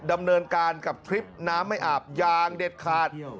ดำเนินการกับทริปน้ำไม่อาบอย่างเด็ดขาด